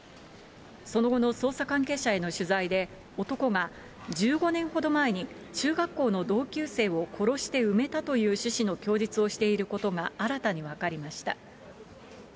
その後の捜査関係者への取材で、男が１５年ほど前に中学校の同級生を殺して埋めたという趣旨の供述をしていることが新たに分かりました。